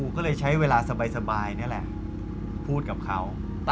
ก็เลยใช้เวลาสบายนี่แหละพูดกับเขา